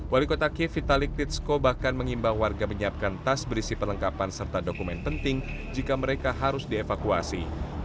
wali kota kiev vitalik titsco bahkan mengimbau warga menyiapkan tas berisi perlengkapan serta dokumen penting jika mereka harus dievakuasi